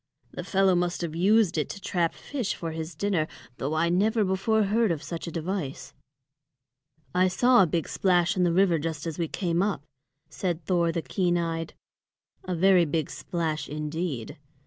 The fellow must have used it to trap fish for his dinner, though I never before heard of such a device." "I saw a big splash in the river just as we came up," said Thor the keen eyed, "a very big splash indeed.